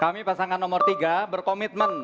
kami pasangan nomor tiga berkomitmen